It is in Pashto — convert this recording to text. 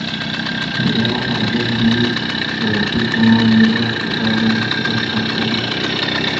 د یو او بل نیم بیتي ترمنځ دوه سېلابه زیات او کم.